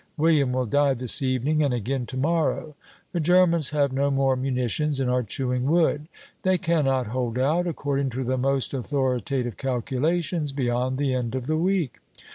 William will die this evening, and again to morrow. The Germans have no more munitions and are chewing wood. They cannot hold out, according to the most authoritative calculations, beyond the end of the week.